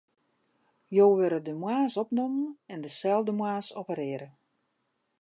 Jo wurde de moarns opnommen en deselde moarns operearre.